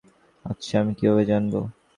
আচ্ছা, আমি কীভাবে জানব?